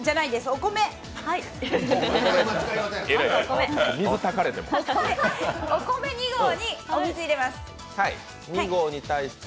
お米２合に水、入れます。